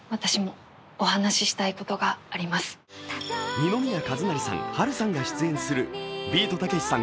二宮和也さん、波瑠さんが出演するビートたけしさん